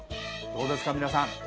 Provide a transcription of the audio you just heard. どうですか皆さん。